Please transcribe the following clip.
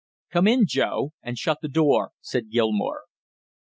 "Come in, Joe, and shut the door!" said Gilmore.